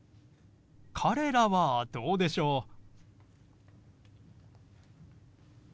彼らはどうでしょう？